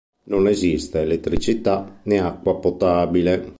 Non esiste elettricità né acqua potabile.